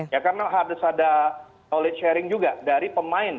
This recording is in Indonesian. ya karena harus ada knowledge sharing juga dari pemain